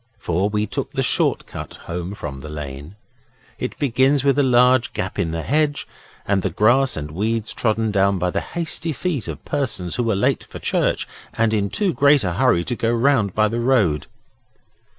For we took the short cut home from the lane it begins with a large gap in the hedge and the grass and weeds trodden down by the hasty feet of persons who were late for church and in too great a hurry to go round by the road.